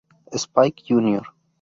Spike Jr.